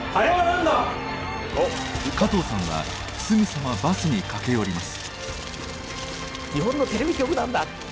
加藤さんはすぐさまバスに駆け寄ります。